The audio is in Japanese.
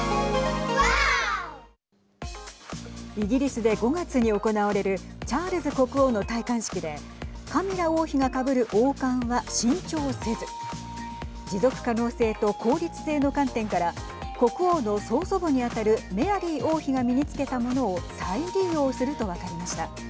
イギリスで５月に行われるチャールズ国王の戴冠式でカミラ王妃がかぶる王冠は新調せず持続可能性と効率性の観点から国王の曽祖母に当たるメアリー王妃が身につけたものを再利用すると分かりました。